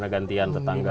gimana gantian tetangga